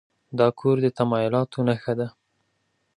دا کور د تمایلاتو نښه ده.